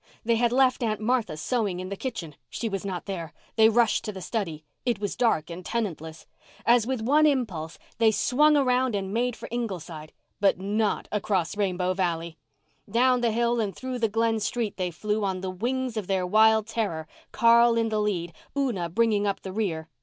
They had left Aunt Martha sewing in the kitchen. She was not there. They rushed to the study. It was dark and tenantless. As with one impulse, they swung around and made for Ingleside—but not across Rainbow Valley. Down the hill and through the Glen street they flew on the wings of their wild terror, Carl in the lead, Una bringing up the rear.